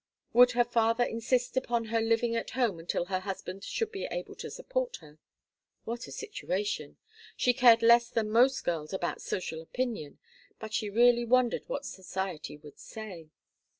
Would her father insist upon her living at home until her husband should be able to support her? What a situation! She cared less than most girls about social opinion, but she really wondered what society would say.